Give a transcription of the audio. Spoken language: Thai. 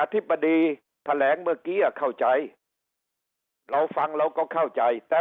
ธิบดีแถลงเมื่อกี้อ่ะเข้าใจเราฟังเราก็เข้าใจแต่